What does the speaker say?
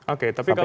oke tapi kalau